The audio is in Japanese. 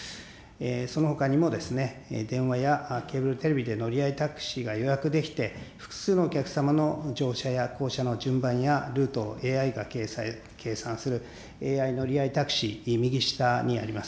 そのほかにも、電話やケーブルテレビで乗り合いタクシーが予約できて、複数のお客様の乗車や降車の順番や、ルートをＡＩが計算する、ＡＩ乗合タクシー、右下にあります。